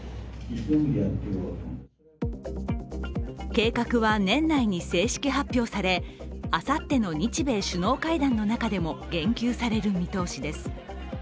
計画は年内に正式発表され、あさっての日米首脳会談の中でも言及される見通しです。